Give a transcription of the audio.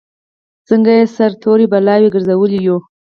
څنګه یې سره تورې بلاوې ګرځولي یو.